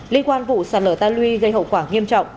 liên quan vụ sạt lở ta luy gây hậu quả nghiêm trọng